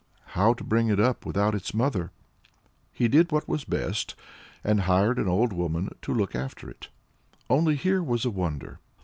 how to bring it up without its mother? He did what was best, and hired an old woman to look after it. Only here was a wonder!